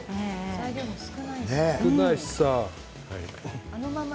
材料も少ないし。